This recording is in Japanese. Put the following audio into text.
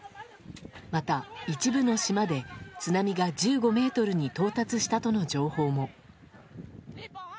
また、一部の島で津波が１５ｍに到達したとの情報も。